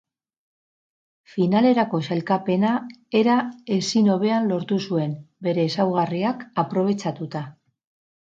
Finalerako sailkapena era ezin hobean lortu zuen, bere ezaugarriak aprobetxatuta.